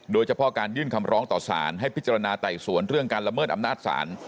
โดยเฉพาะการยื่นคำร้องต่อสารให้พิจารณาไต่สวนเรื่องการละเมิดอำนาจศาล